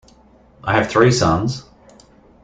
I have three sons.